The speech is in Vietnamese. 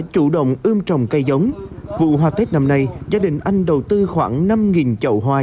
chủ động ươm trồng cây giống vụ hoa tết năm nay gia đình anh đầu tư khoảng năm chậu hoa